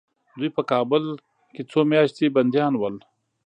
دوی په کابل کې څو میاشتې بندیان ول.